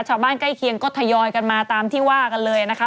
ชาวบ้านใกล้เคียงก็ถยอยมาตามที่ว่ากันเลยนะคะ